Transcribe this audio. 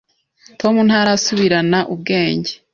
Tom ntarasubirana ubwenge.